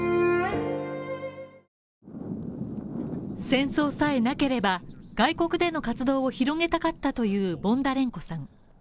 戦争さえなければ外国での活動を広げたかったというボンダレンコさん。